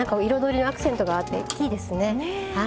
彩りのアクセントがあっていいですね。